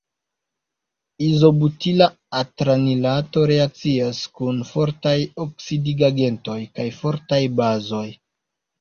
Izobutila antranilato reakcias kun fortaj oksidigagentoj kaj fortaj bazoj.